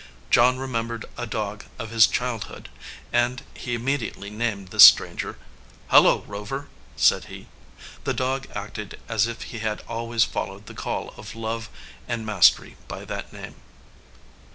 John remembered a dog of his childhood, and he immediately named this stranger. "Hullo, Rover!" said he. The dog acted as if he had always followed the call of love and mastery by that name.